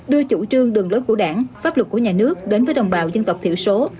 đưa chủ trương đường lối của đảng pháp luật của nhà nước đến với đồng bào dân tộc thiểu số